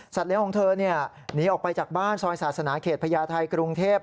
เลี้ยงของเธอหนีออกไปจากบ้านซอยศาสนาเขตพญาไทยกรุงเทพ